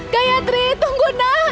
gayatri tunggu nak